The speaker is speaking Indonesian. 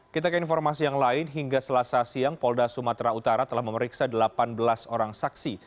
kita ke informasi yang lain hingga selasa siang polda sumatera utara telah memeriksa delapan belas orang saksi